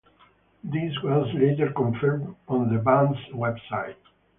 This was later confirmed on the band's website.